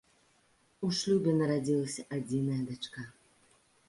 У шлюбе нарадзілася адзіная дачка.